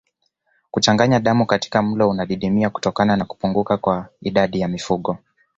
Kuchanganya damu katika mlo unadidimia kutokana na kupunguka kwa idadi ya mifugo